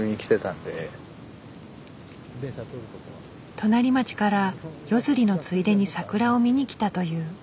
隣町から夜釣りのついでに桜を見に来たという。